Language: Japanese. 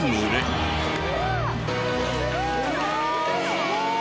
すごい！